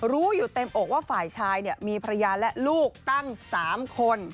รู้อยู่เต็มอกว่าฝ่ายชายมีภรรยาและลูกตั้ง๓คน